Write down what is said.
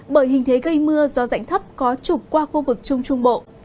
bởi hình thế gây mưa do rãnh thấp có trục qua khu vực trung trung bộ